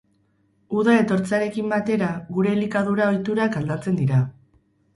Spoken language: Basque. Uda etortzearekin batera, gure elikadura ohiturak aldatzen dira.